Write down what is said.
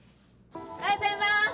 おはようございます！